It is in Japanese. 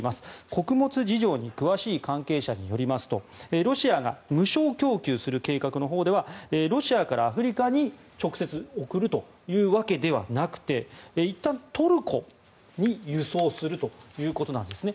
穀物事情に詳しい関係者によりますとロシアが無償供給する計画のほうではロシアからアフリカに直接送るというわけではなくていったんトルコに輸送するということなんですね。